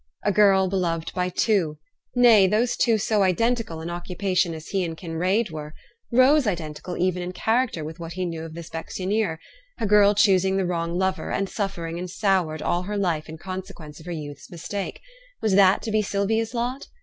A girl beloved by two nay, those two so identical in occupation as he and Kinraid were Rose identical even in character with what he knew of the specksioneer; a girl choosing the wrong lover, and suffering and soured all her life in consequence of her youth's mistake; was that to be Sylvia's lot?